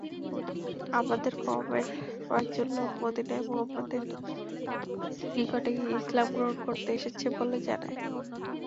আমাদের কওমের কয়েকজন লোক মদীনায় মুহাম্মাদের নিকট গিয়ে ইসলাম গ্রহণ করতে এসেছে বলে জানায়।